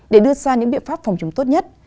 để đưa ra những biện pháp phòng chống tốt nhất